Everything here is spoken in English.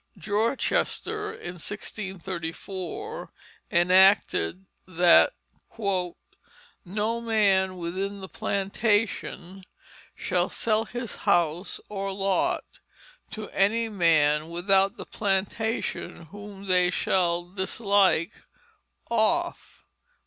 Dorchester in 1634 enacted that "no man within the Plantation shall sell his house or lott to any man without the Plantation whome they shall dislike off."